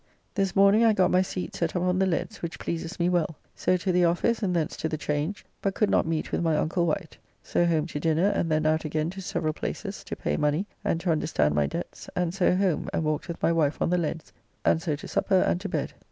This morning I got my seat set up on the leads, which pleases me well. So to the office, and thence to the Change, but could not meet with my uncle Wight. So home to dinner and then out again to several places to pay money and to understand my debts, and so home and walked with my wife on the leads, and so to supper and to bed.